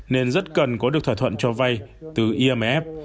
nên rất cần có được thỏa thuận cho vay từ imf